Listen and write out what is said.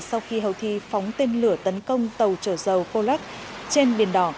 sau khi houthi phóng tên lửa tấn công tàu trở dầu colac trên biển đỏ